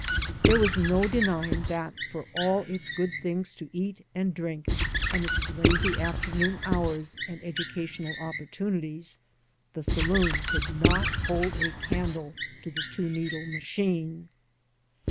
There was no denying that, for all its good things to eat and drink, and its lazy afternoon hours, and educational opportunities, the saloon could not hold a candle to the two needle machine.